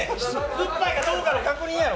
酸っぱいかどうかの確認やろ。